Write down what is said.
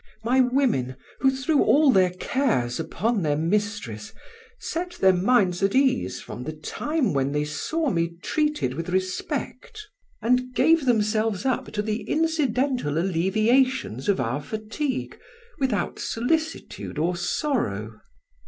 My women, who threw all their cares upon their mistress, set their minds at ease from the time when they saw me treated with respect, and gave themselves up to the incidental alleviations of our fatigue without solicitude or sorrow.